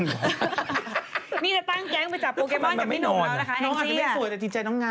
นี่จะตั้งแก๊งไปจับโปรเกมอนกับพี่หนูแล้วล่ะค่ะ